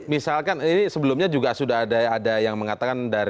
misalkan ini sebelumnya juga sudah ada yang mengatakan